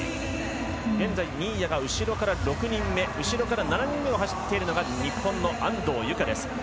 現在新谷が後ろから６人目７人目を走っているのが日本の安藤友香です。